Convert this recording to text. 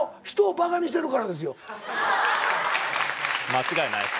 間違いないです。